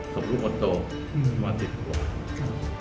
ศพลูกคนโตประมาณ๑๐กว่า